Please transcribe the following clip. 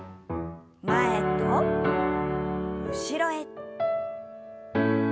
前と後ろへ。